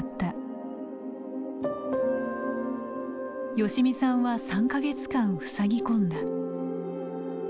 善美さんは３か月間ふさぎ込んだ。